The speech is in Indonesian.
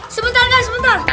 sebentar kak sebentar